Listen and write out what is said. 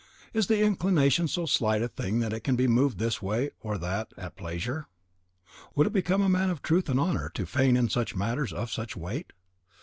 Is the inclination so slight a thing that it can be moved this way or that at pleasure? Or would it become a man of truth and honour to feign in matters of such weight?